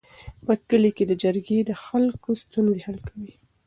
په کلي کې جرګې د خلکو ستونزې حل کوي.